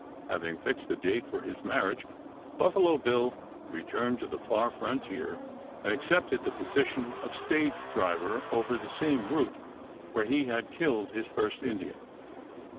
Having fixed the date for his marriage Buffalo Bill returned to the far frontier and accepted the position of stage driver over the same route where he had killed his first Indian.